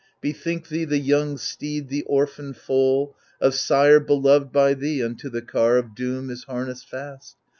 Bethink thee, the young steed, the orphan foal Of sire beloved by thee, unto the car Of doom is harnessed fast.